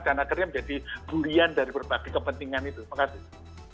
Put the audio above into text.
dan akhirnya menjadi bulian dari berbagai kepentingan itu